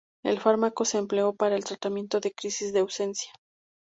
El fármaco se empleó para el tratamiento de crisis de ausencia.